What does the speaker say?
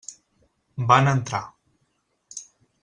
Van entrar.